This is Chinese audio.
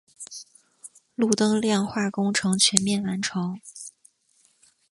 路灯亮化工程全面完成。